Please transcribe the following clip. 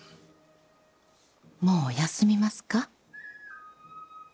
もう休みますか？